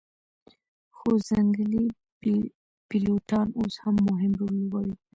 خو ځنګلي پیلوټان اوس هم مهم رول لوبوي